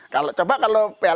kalau coba kalau pln kan mahal